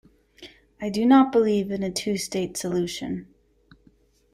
I do not believe in a two-state solution.